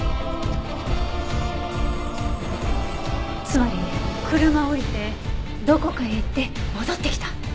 つまり車を降りてどこかへ行って戻ってきた。